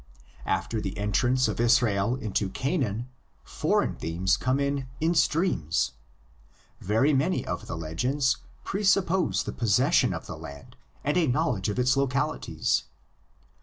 After the entrance of Israel into Canaan foreign themes come in in streams. Very many of the legends presuppose the possession of the land and a knowledge of its localities.